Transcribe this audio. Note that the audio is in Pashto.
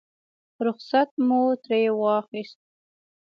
رخصت مو ترې واخیست.